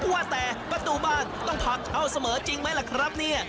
ว่าแต่ประตูบ้านต้องผลักเข้าเสมอจริงไหมล่ะครับเนี่ย